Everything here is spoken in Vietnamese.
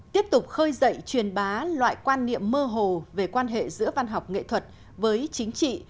tiếp tục khơi dậy truyền bá loại quan niệm mơ hồ về quan hệ giữa văn học nghệ thuật với chính trị